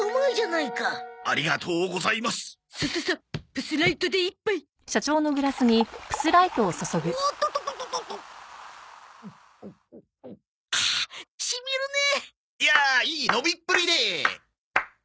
いやあいい飲みっぷりで。